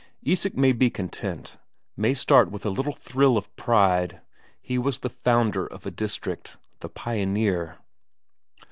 Isak may be content, may start with a little thrill of pride; he was the founder of a district, the pioneer.